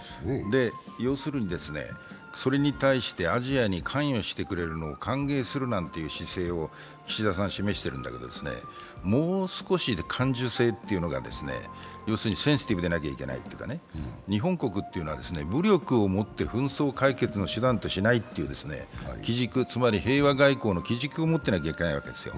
要するにそれに対してアジアに関与してくるのを歓迎するなんて姿勢を岸田さんは示してるんだけど、もう少し感受性というのがセンシティブでなければいけないというか、日本国というのは武力をもって紛争解決としないという機軸、つまり平和外交の機軸を持っていなければならないわけですよ。